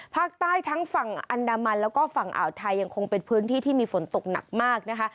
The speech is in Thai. ภาคใต้ทั้งฝั่งอันดามันแล้วก็ฝั่งอ่าวไทยยังคงเป็นพื้นที่ที่มีฝนตกหนักมากนะคะ